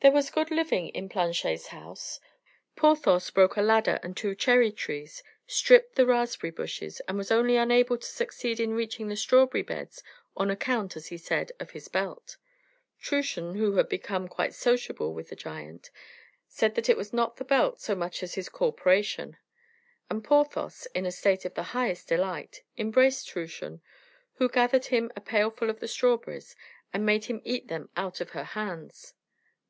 There was good living in Planchet's house. Porthos broke a ladder and two cherry trees, stripped the raspberry bushes, and was only unable to succeed in reaching the strawberry beds on account, as he said, of his belt. Truchen, who had become quite sociable with the giant, said that it was not the belt so much as his corporation; and Porthos, in a state of the highest delight, embraced Truchen, who gathered him a pailful of the strawberries, and made him eat them out of her hands.